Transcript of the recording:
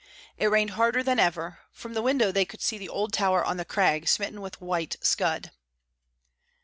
It rained harder than ever; from the window they could see the old tower on the crag smitten with white scud.